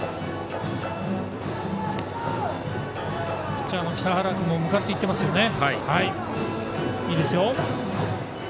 ピッチャーの北原君も向かっていってますよね。